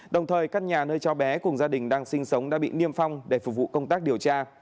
đồng thời căn nhà nơi cháu bé cùng gia đình đang sinh sống đã bị niêm phong để phục vụ công tác điều tra